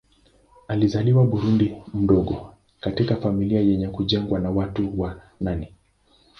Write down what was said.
Alizaliwa Burundi mdogo katika familia yenye kujengwa na watu wa nane.